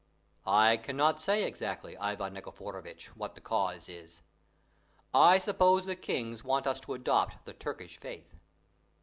"I cannot say exactly, Ivan Nikiforovitch, what the cause is. I suppose the kings want us to adopt the Turkish faith."